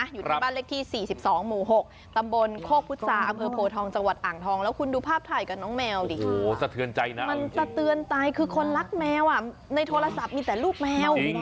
อยู่ในบ้านเล็กที่๔๒หมู่๖ตำบลโฆษาอเมอโผทองจังหวัดอ่างทองแล้วคุณดูภาพถ่ายกับน้องแมวสะเตือนใจคือคนรักแมวในโทรศัพท์มีแต่ลูกแมว